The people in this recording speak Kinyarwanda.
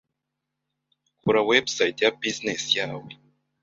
Kora website ya business yawe